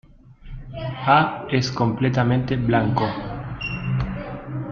A es completamente blanco.